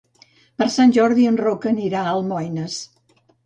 Per Sant Jordi en Roc anirà a Almoines.